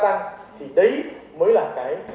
cái quyết định của chúng ta